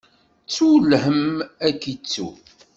Ttu lhemm, ad k-ittu.